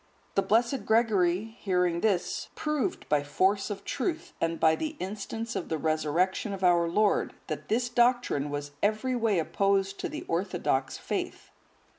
The blessed Gregory hearing this, proved by force of truth, and by the instance of the Resurrection of our Lord, that this doctrine was every way opposed to the orthodox faith.